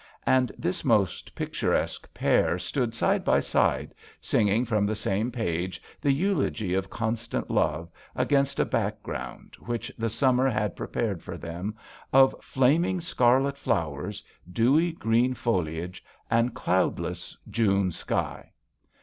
And this most picturesque pair now stood side by side sing ing from the same page the eulogy of constant love, against a background^ which the summer had prepared for them, of flaming scarlet flowers, dewy green foliage and cloudless June sky.